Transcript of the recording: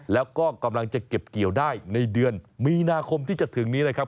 แล้วก็กำลังจะเก็บเกี่ยวได้ในเดือนมีนาคมที่จะถึงนี้นะครับ